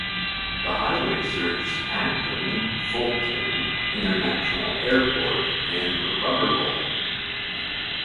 The highway serves Akron Fulton International Airport and the Rubber Bowl.